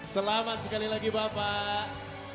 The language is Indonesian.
selamat sekali lagi bapak